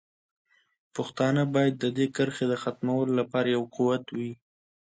پښتانه باید د دې کرښې د ختمولو لپاره یو قوت وي.